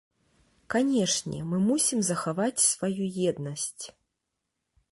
Канешне, мы мусім захаваць сваю еднасць.